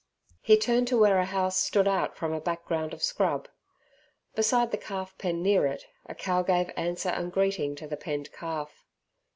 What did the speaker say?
He turned to where a house stood out from a background of scrub. Beside the calf pen near it, a cow gave answer and greeting to the penned calf.